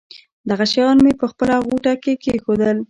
دغه شیان مې په خپله غوټه کې کېښودل.